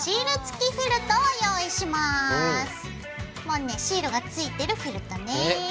もうねシールが付いてるフェルトね。